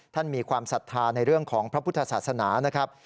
มีความศรัทธาในเรื่องของพระพุทธศาสนานะครับ